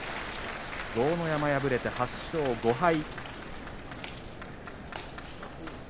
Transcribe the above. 豪ノ山敗れて８勝５敗。